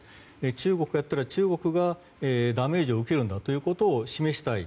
中国だったら中国がダメージを受けるんだということを示したい。